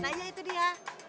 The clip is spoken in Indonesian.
nah ya itu dia